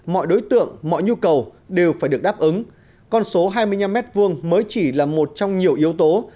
mọi đối tượng mọi nhu cầu đều phải được đáp ứng con số hai mươi năm m hai mới chỉ là một trong nhiều yếu tố